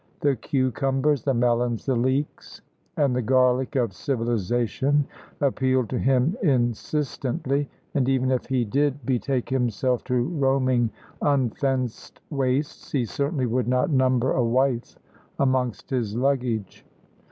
The cucumbers, the melons, the leeks, and the garlic of civilisation appealed to him insistently, and even if he did betake himself to roaming unfenced wastes, he certainly would not number a wife amongst his luggage.